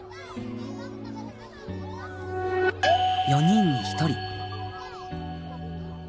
４人に１人。